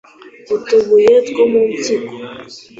utubuye two mu mpyiko